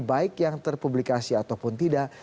baik yang terpublikasi ataupun tidak